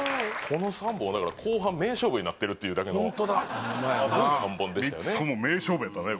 この３本はだから後半名勝負になってるっていうだけのすごい３本でしたよねホンマやな名勝負やったね